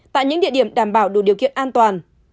tại những địa điểm đảm bảo đủ điều kiện an toàn